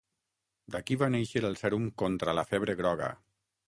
D'aquí va néixer el sèrum contra la febre groga.